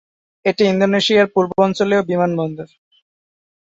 এটি ইন্দোনেশিয়ার পূর্বাঞ্চলীয় বিমানবন্দর।